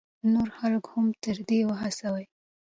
نور خلک هم دې ته وهڅوئ.